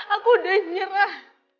aku udah nyerah